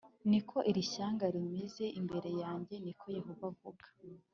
ni ko iri shyanga rimeze imbere yanjye ni ko Yehova avuga